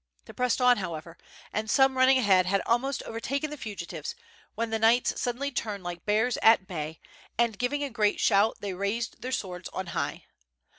They pressed on, however, and pome running ahead had almost overtaken the fugitives, when the knights suddenly turned like bears at bay, and giving a • preat shout they raised their swords on high.